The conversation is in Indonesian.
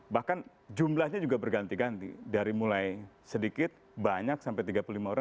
bahkan jumlahnya juga berganti ganti dari mulai sedikit banyak sampai tiga puluh lima orang